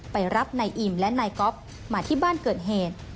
ไปรับนายอิมและนายก๊อฟมาที่บ้านเกิดเหตุ